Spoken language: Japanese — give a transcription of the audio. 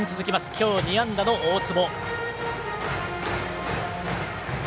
今日２安打の大坪。